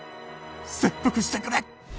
切腹してくれ。